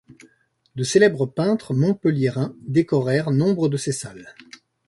De célèbres peintres montpelliérains décorèrent nombre de ces salles.